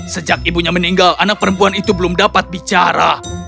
sejak ibunya meninggal anak perempuan itu belum dapat bicara